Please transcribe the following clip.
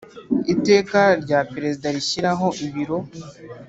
Iteka rya Perezida rishyiraho ibiro